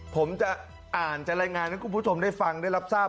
ผมจะอ่านจะรายงานให้คุณผู้ชมได้ฟังได้รับทราบ